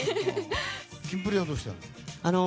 キンプリはどうしてるの？